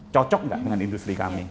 cocok nggak dengan industri kami